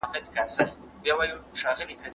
که چا ته دنده ورکړل سي، بايد پلان ورته جوړ کړي.